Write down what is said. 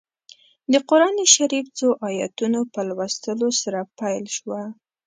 د قران شریف څو ایتونو په لوستلو سره پیل شوه.